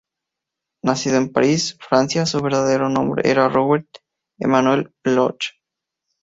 Nacido en París, Francia, su verdadero nombre era Robert Emmanuel Bloch.